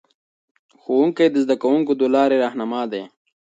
ښوونکي د زده کوونکو د لارې رهنما دي.